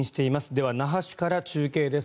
では、那覇市から中継です。